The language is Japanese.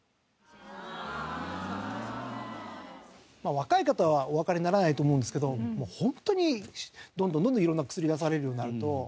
若い方はおわかりにならないと思うんですけどもう本当にどんどんどんどんいろんな薬出されるようになると。